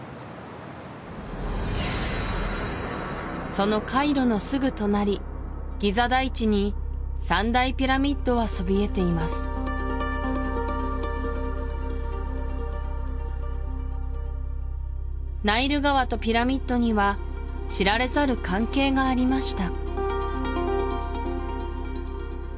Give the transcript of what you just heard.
そのカイロのすぐ隣ギザ台地に３大ピラミッドはそびえていますナイル川とピラミッドには知られざる関係がありました